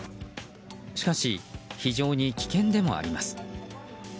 しかし、非常に危険でもあります。